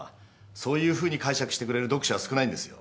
そういうふうに解釈してくれる読者は少ないんですよ。